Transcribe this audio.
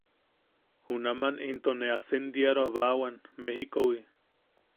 Junaman into ne asendiaroabawan, Mejikowi.